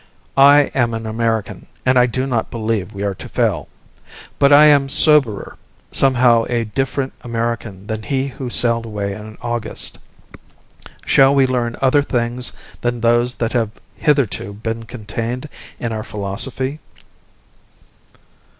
I am an American, and I do not believe we are to fail. But I am soberer, somehow a different American than he who sailed away in August. Shall we learn other things than those that have hitherto been contained in our philosophy?